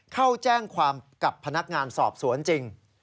เข้าแจ้งความกับพนักงานสอบสวนจริง